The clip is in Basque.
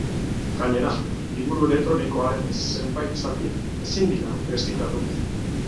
Gainera, liburu elektronikoaren zenbait zati ezin dira birziklatu.